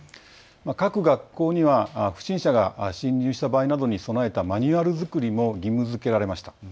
各学校には不審者が侵入した場合などに備えたマニュアル作りも義務づけられました。